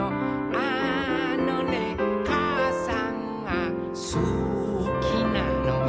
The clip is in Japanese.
「あのねかあさんがすきなのよ」